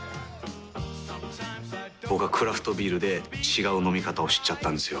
僕はクラフトビールで違う飲み方を知っちゃったんですよ。